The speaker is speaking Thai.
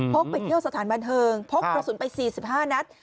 กไปเที่ยวสถานบันเทิงพกกระสุนไป๔๕นัด